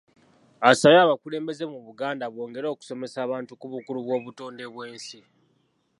Asabye abakulembeze mu Buganda bongere okusomesa abantu ku bukulu bw’obutonde bw’ensi.